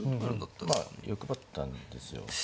まあ欲張ったんですよ。